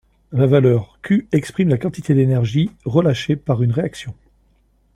La valeur Q exprime la quantité d’énergie relâchée par une réaction.